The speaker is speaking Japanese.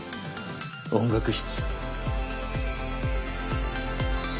音楽室。